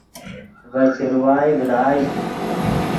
ڤے چروائے ڤداژ